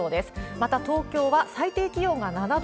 また東京は、最低気温が７度。